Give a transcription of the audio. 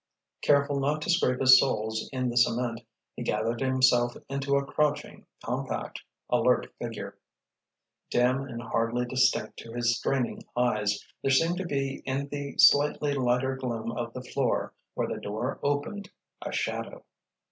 Careful not to scrape his soles in the cement, he gathered himself into a crouching, compact, alert figure. Dim and hardly distinct to his straining eyes, there seemed to be in the slightly lighter gloom of the floor where the door opened, a shadow.